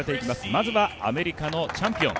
まずはアメリカのチャンピオン、